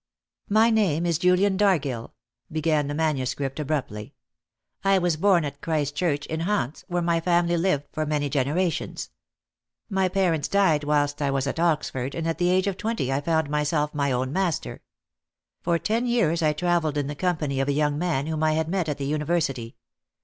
"'My name is Julian Dargill,'" began the manuscript abruptly. "'I was born at Christchurch, in Hants, where my family lived for many generations. My parents died whilst I was at Oxford, and at the age of twenty I found myself my own master. For ten years I travelled in the company of a young man whom I had met at the University.